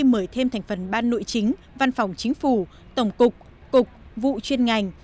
mở thêm thành phần ban nội chính văn phòng chính phủ tổng cục cục vụ chuyên ngành